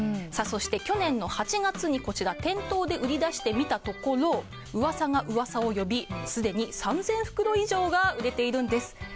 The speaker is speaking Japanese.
そして、去年の８月に店頭で売り出してみたところうわさがうわさを呼びすでに３０００袋以上が売れているんです。